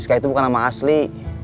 sk itu bukan nama asli